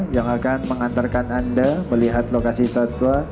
yang akan mengantarkan anda melihat lokasi satwa